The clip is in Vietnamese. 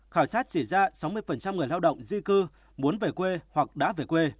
khảo sát chỉ ra sáu mươi người lao động di cư muốn về quê hoặc đã về quê